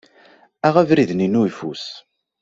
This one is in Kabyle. Aɣ abrid-nni n uyeffus.